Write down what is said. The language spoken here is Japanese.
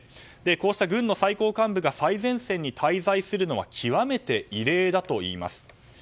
こうした軍の最高幹部が最前線に滞在するのは極めて異例だといいます。